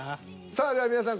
さあでは皆さん